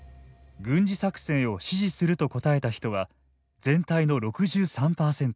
「軍事作戦を支持する」と答えた人は全体の６３％。